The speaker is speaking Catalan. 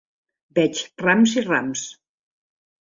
Veig rams i rams.